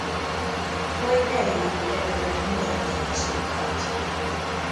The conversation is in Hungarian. Majd eléjük kerülve mutatta az utat.